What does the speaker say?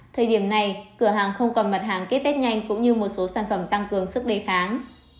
thời điểm này cửa hàng không còn mặt hàng tết nhanh cũng như một số sản phẩm tăng cường sức đề kháng